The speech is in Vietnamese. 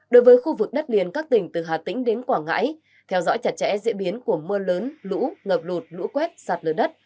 đối với khu vực đất liền các tỉnh từ hà tĩnh đến quảng ngãi theo dõi chặt chẽ diễn biến của mưa lớn lũ ngập lụt lũ quét sạt lở đất